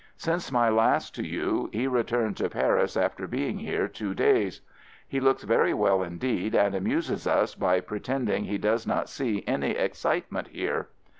Since my last to you he returned to Paris after being here two days. He FIELD SERVICE 39 looks very well, indeed, and amuses us by pretending he does not see any excitement here.